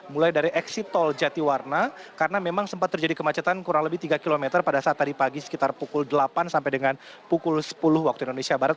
mulai dari eksit tol jatiwarna karena memang sempat terjadi kemacetan kurang lebih tiga km pada saat tadi pagi sekitar pukul delapan sampai dengan pukul sepuluh waktu indonesia barat